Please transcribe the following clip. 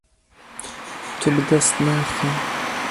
Tu bi dest naxî.